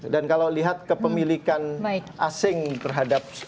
dan kalau lihat kepemilikan asing terhadap sbi